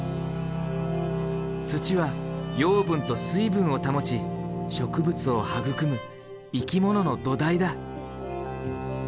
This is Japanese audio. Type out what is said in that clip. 土は養分と水分を保ち植物を育む生き物の土台だ。